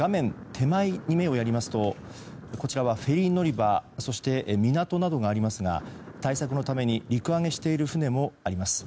手前に目をやりますとフェリー乗り場、港などがありますが対策のために陸揚げしている船もあります。